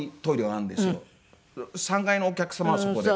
３階のお客様はそこで。